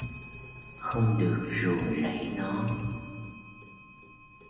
Không được ruồng rãy nó